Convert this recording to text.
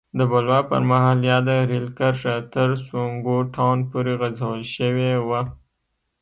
د بلوا پر مهال یاده رېل کرښه تر سونګو ټاون پورې غځول شوې وه.